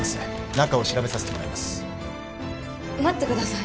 中を調べさせてもらいます待ってください